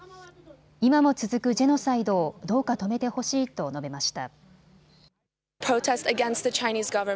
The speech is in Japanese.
今も続くジェノサイドをどうか止めてほしいと述べました。